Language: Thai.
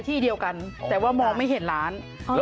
ที่เดียวกันแต่ว่ามองไม่เห็นร้าน